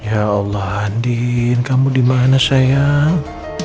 ya allah adin kamu dimana sayang